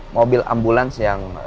mobil ambulans yang